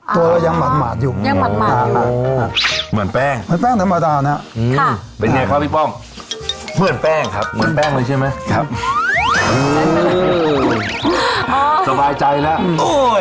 ตัวเรายังหมาดอยู่โอ้โฮ